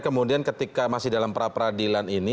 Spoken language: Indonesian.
kemudian ketika masih dalam pra peradilan ini